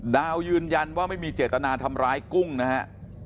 ดาวยืนยันว่าไม่มีเจตนาทำร้ายกุ้งนะฮะ